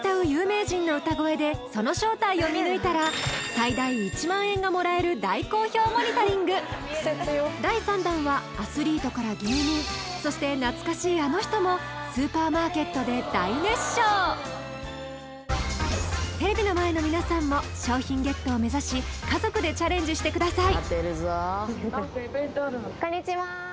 最大１万円がもらえる大好評モニタリング第３弾はアスリートから芸人そして懐かしいあの人もテレビの前の皆さんも賞品ゲットを目指し家族でチャレンジしてください